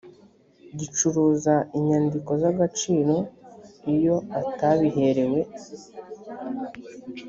gicuruza inyandiko z agaciro iyo atabiherewe